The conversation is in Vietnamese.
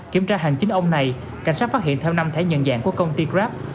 kiểm tra hành chính ông này cảnh sát phát hiện theo năm thẻ nhận dạng của công ty grab